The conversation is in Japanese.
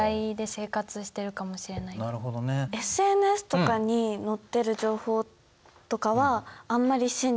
ＳＮＳとかに載ってる情報とかはあんまり信じてないです。